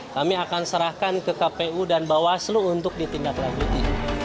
kami akan serahkan ke kpu dan bawaslu untuk ditindaklanjuti